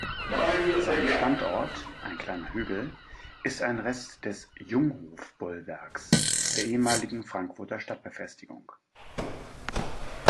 Sein Standort, ein kleiner Hügel, ist ein Rest des "Junghof-Bollwerks" der ehemaligen Frankfurter Stadtbefestigung.